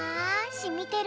しみてる？